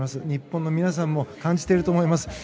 日本の皆さんも感じていると思います。